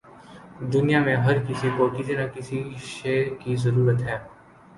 دنیا میں ہر کسی کو کسی نہ کسی شے کی ضرورت ہے